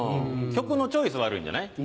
曲のチョイス悪いんじゃない？